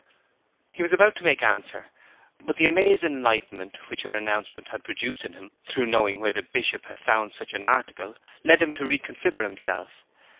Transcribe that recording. He was about to make answer; but the amazed enlightenment which her announcement had produced in him through knowing where the Bishop had found such an article, led him to reconsider himself.